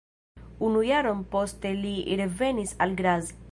Unu jaron poste li revenis al Graz.